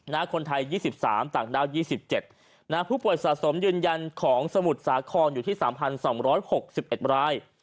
นะฮะคนไทยยี่สิบสามต่างด้าวยี่สิบเจ็ดนะฮะผู้ป่วยสะสมยืนยันของสมุทรสาครอยู่ที่สามพันสองร้อยหกสิบเอ็ดราย